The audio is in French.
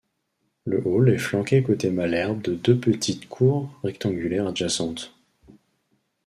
Le hall est flanqué côté Malesherbes de deux petites cours rectangulaires adjacentes.